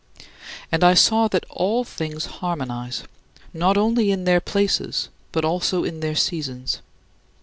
And I saw that all things harmonize, not only in their places but also in their seasons.